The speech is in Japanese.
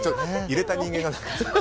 入れた人間が。